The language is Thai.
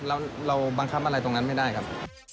เราบังคับอะไรตรงนั้นไม่ได้ครับ